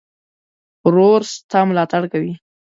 ورور ستا ملاتړ کوي.